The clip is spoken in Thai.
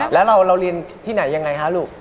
แล้วเราเรียนที่ไหนยังไงคะลูก